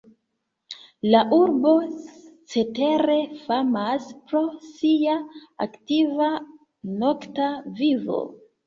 La urbo cetere famas pro sia aktiva nokta vivo.